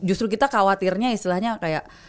justru kita khawatirnya istilahnya kayak